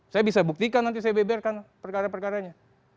saya bisa buktikan nanti saya beberkan perkara perkaranya